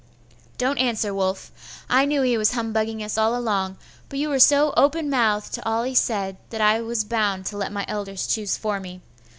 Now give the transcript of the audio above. Don't answer, Wulf. I knew he was humbugging us all along, but you were so open mouthed to all he said, that I was bound to let my elders choose for me.